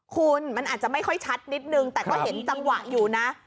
คุณมันอาจจะไม่ค่อยชัดนิดนึงแต่ก็เห็นจังหวะอยู่นะ